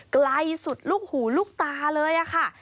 ไกลสุดลูกหูลูกตาเลยค่ะ